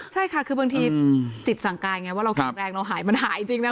ใช่ค่ะคือบางทีจิตสั่งกายไงว่าเราแข็งแรงเราหายมันหายจริงนะ